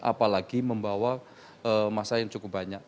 apalagi membawa masa yang cukup banyak